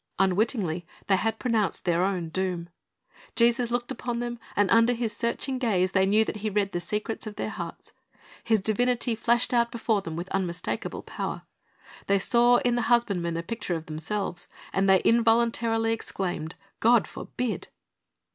Unwittingly they had pronounced their own doom. Jesus looked upon them, and under His searching gaze they knew that He read the secrets of their hearts. His divinity flashed out before them with unmistakable power. They saw in the husbandmen a picture of themselves, and they involuntarily exclaimed, "God forbid!"